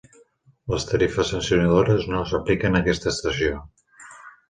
Les tarifes sancionadores no s'apliquen a aquesta estació.